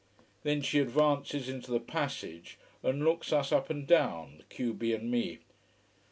Then she advances into the passage and looks us up and down, the q b and me.